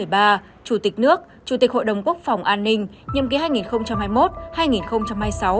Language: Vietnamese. chủ tịch nước chủ tịch hội đồng quốc phòng an ninh nhiệm ký hai nghìn hai mươi một hai nghìn hai mươi sáu